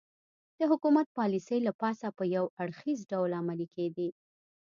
د حکومت پالیسۍ له پاسه په یو اړخیز ډول عملي کېدې